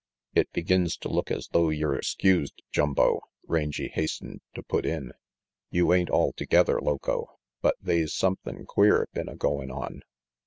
"It begins to look as though yer 'skused, Jumbo," Rangy hastened to put in. "You ain't altogether loco, but they's sumthin' queer been a goin' on."